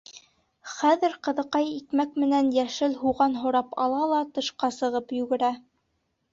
Хәҙер ҡыҙыҡай икмәк менән йәшел һуған һорап ала ла тышҡа сығып югерә.